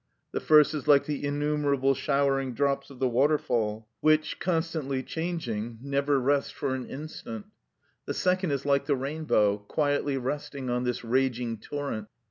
The first is like the innumerable showering drops of the waterfall, which, constantly changing, never rest for an instant; the second is like the rainbow, quietly resting on this raging torrent.